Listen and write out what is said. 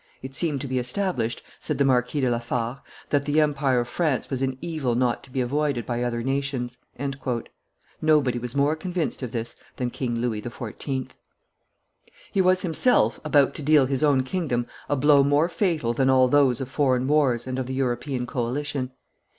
"It seemed to be established," said the Marquis de la Fare, "that the empire of France was an evil not to be avoided by other nations." Nobody was more convinced of this than King Louis XIV. He was himself about to deal his own kingdom a blow more fatal than all those of foreign wars and of the European coalition.